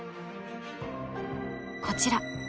こちら。